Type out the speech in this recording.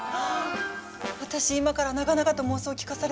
私今から長々と妄想を聞かされるんじゃ。